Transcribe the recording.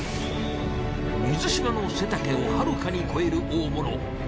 水嶋の背丈をはるかに超える大物。